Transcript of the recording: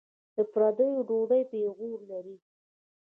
د پردیو ډوډۍ پېغور لري.